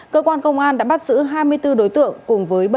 cơ quan công an đã bắt giữ hai mươi bốn đối tượng cùng với bảy ô tô các loại